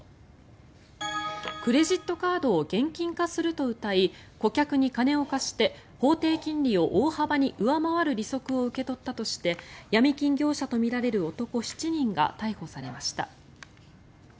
クレジットカードを現金化するとうたい顧客に金を貸して法定金利を大幅に上回る利息を受け取ったとしてヤミ金業者とみられる男７人が逮捕されました。